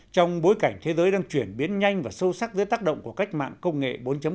trong bối cảnh thế giới đang chuyển biến nhanh và sâu sắc dưới tác động của cách mạng công nghệ bốn